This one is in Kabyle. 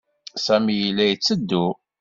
Sami yella yetteddu.